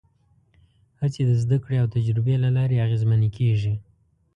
هڅې د زدهکړې او تجربې له لارې اغېزمنې کېږي.